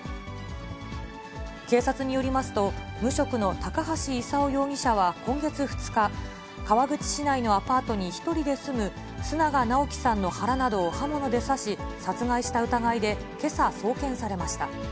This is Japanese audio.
警察によりますと、無職の高橋勲容疑者は今月２日、川口市内のアパートに１人で住む須永尚樹さんの腹などを刃物で刺し、殺害した疑いでけさ送検されました。